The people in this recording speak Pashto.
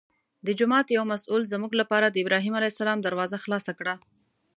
د جومات یو مسوول زموږ لپاره د ابراهیم علیه السلام دروازه خلاصه کړه.